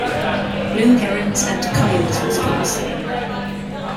Blue herons and coyotes can be seen.